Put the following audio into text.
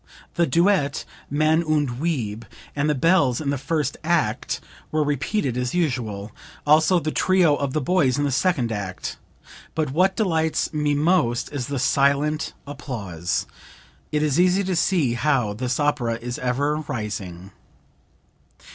The duet, 'Mann und Weib,' and the bells in the first act, were repeated as usual, also the trio of the boys in the second act. But what delights me most is the silent applause! It is easy to see how this opera is ever rising."